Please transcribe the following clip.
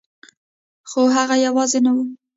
خو هغه یوازې نه وه